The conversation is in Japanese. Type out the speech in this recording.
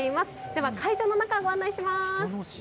では会場の中、ご案内します。